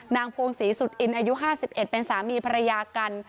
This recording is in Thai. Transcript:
พวงศรีสุดอินอายุ๕๑เป็นสามีภรรยากัน